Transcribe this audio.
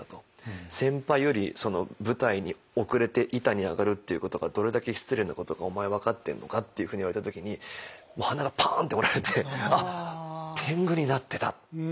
「先輩より舞台に遅れて板に上がるっていうことがどれだけ失礼なことかお前分かってるのか」っていうふうに言われた時に鼻がパンッて折られてあっ天狗になってた。